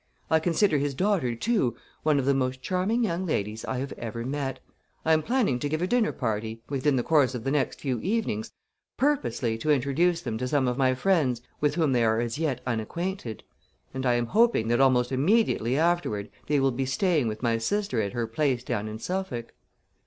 I consider his daughter, too, one of the most charming young ladies I have ever met. I am planning to give a dinner party, within the course of the next few evenings, purposely to introduce them to some of my friends with whom they are as yet unacquainted; and I am hoping that almost immediately afterward they will be staying with my sister at her place down in Suffolk."